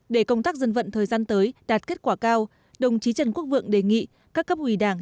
để công tác dân vận thời gian tới đạt kết quả cao đồng chí trần quốc vượng đề nghị các cấp ủy đảng